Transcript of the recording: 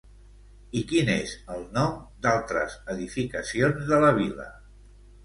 I quin és el nom d'altres edificacions de la vila?